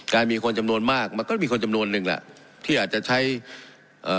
มีคนจำนวนมากมันก็มีคนจำนวนหนึ่งแหละที่อาจจะใช้เอ่อ